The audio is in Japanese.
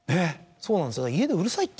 そうなんです。